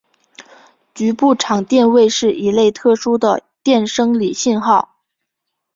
局部场电位是一类特殊的电生理信号。